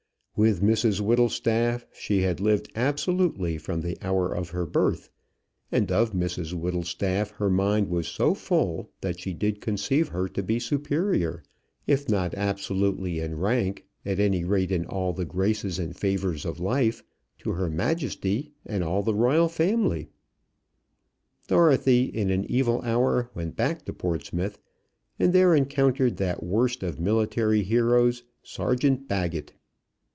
With Mrs Whittlestaff she had lived absolutely from the hour of her birth, and of Mrs Whittlestaff her mind was so full, that she did conceive her to be superior, if not absolutely in rank, at any rate in all the graces and favours of life, to her Majesty and all the royal family. Dorothy in an evil hour went back to Portsmouth, and there encountered that worst of military heroes, Sergeant Baggett.